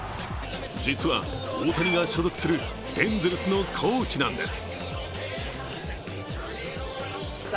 実は大谷が所属するエンゼルスのコーチなんです。